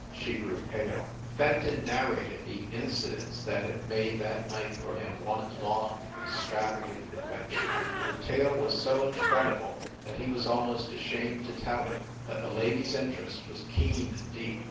She grew pale. Fenton narrated the incidents that had made that night for him one long, extravagant adventure. The tale was so incredible that he was almost ashamed to tell it, but the lady s interest was keen and deep.